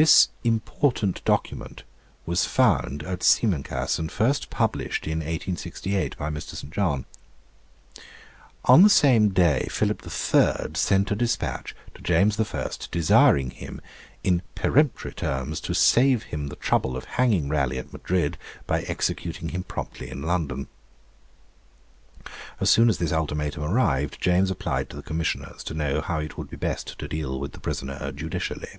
This important document was found at Simancas, and first published in 1868 by Mr. St. John. On the same day Philip III. sent a despatch to James I. desiring him in peremptory terms to save him the trouble of hanging Raleigh at Madrid by executing him promptly in London. As soon as this ultimatum arrived, James applied to the Commissioners to know how it would be best to deal with the prisoner judicially.